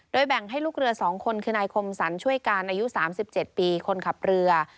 แบ่งให้ลูกเรือ๒คนคือนายคมสรรช่วยการอายุ๓๗ปีคนขับเรือ